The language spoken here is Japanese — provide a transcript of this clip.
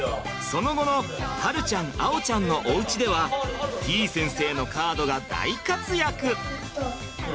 その後の晴ちゃん碧ちゃんのおうちではてぃ先生のカードが大活躍！